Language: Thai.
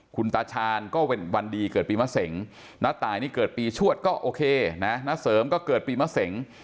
ก็เป็นวันดีเกิดปีมะเส็งณตายนี่เกิดปีชวดก็โอเคณเสริมก็เกิดปีมะเส็ง